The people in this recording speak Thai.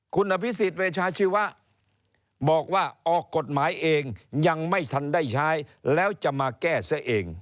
คุณอภิษฎเวชาชีวะบอกว่าออกกฎหมายเองยังไม่ทันได้ใช้แล้วจะมาแก้ซะเอง